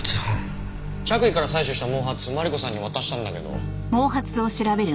着衣から採取した毛髪マリコさんに渡したんだけど。